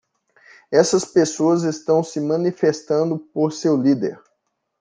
Essas pessoas estão se manifestando por seu líder.